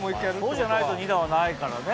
そうじゃないと２弾はないからね。